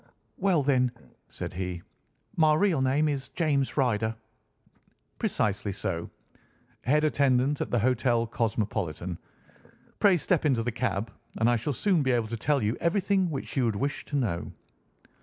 "Well then," said he, "my real name is James Ryder." "Precisely so. Head attendant at the Hotel Cosmopolitan. Pray step into the cab, and I shall soon be able to tell you everything which you would wish to know."